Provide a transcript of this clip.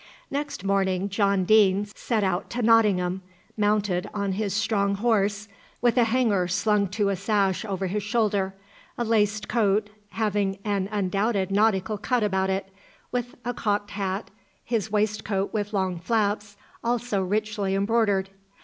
Next morning John Deane set out to Nottingham, mounted on his strong horse, with a hanger slung to a sash over his shoulder, a laced coat, having an undoubted nautical cut about it, with a cocked hat, his waistcoat with long flaps, also richly embroidered.